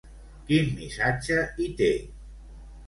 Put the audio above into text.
Quin missatge hi té?